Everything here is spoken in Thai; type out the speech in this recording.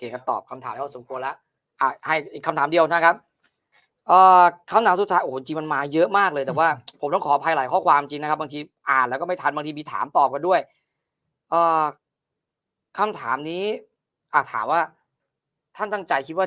ให้คำถามเดียวนะครับช่างก็ถามนี้ถาวว่าท่านตั้งใจคิดว่า